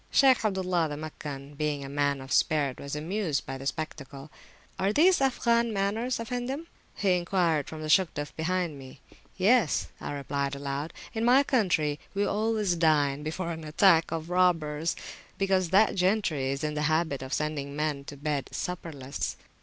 Shaykh Abdullah, the Meccan, being a man of spirit, was amused by the spectacle. Are these Afghan manners, Effendim? he enquired from the Shugduf behind me. Yes, I replied aloud, in my country we always dine before an attack of robbers, because that gentry is in the habit of sending men to bed supperless.